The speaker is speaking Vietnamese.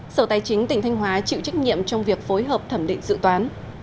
sở tài chính tỉnh thanh hóa chịu trách nhiệm trong việc phối hợp thẩm định dự toán